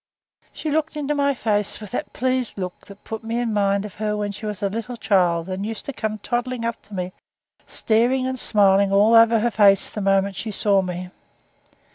She looked into my face with that pleased look that put me in mind of her when she was a little child and used to come toddling up to me, staring and smiling all over her face the moment she saw me.